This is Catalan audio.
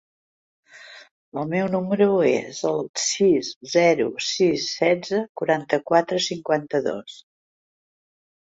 El meu número es el sis, zero, sis, setze, quaranta-quatre, cinquanta-dos.